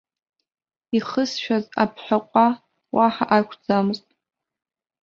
Ихысшәаз аԥҳәаҟәа уаҳа ақәӡамызт.